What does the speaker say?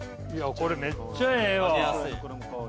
これめっちゃええわ。